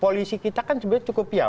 polisi kita kan sebenarnya cukup ya